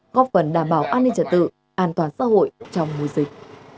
góp phần đảm bảo an ninh trật tự an toàn xã hội trong mùa dịch